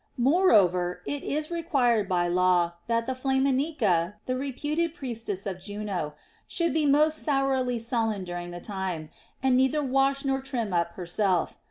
Moreover, it is by law required that the Flaminica, the reputed priestess of Juno, should be most sourly sullen during the time, and neither wash nor trim up herself.